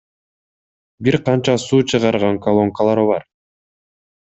Бир канча суу чыгарган колонкалар бар.